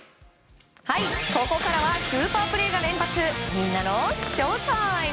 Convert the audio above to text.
ここからはスーパープレーが連発みんなのＳＨＯＷＴＩＭＥ！